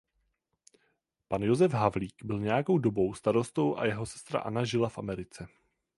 Pan Josef Havlík byl nějakou dobou starostou a jeho sestra Anna žila v Americe.